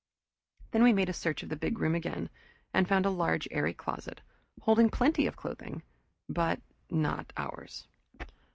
Then we made a search of the big room again and found a large airy closet, holding plenty of clothing, but not ours.